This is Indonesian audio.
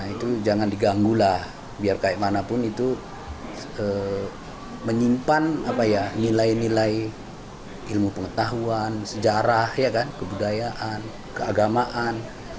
itu jangan diganggu lah biar kayak manapun itu menyimpan nilai nilai ilmu pengetahuan sejarah kebudayaan keagamaan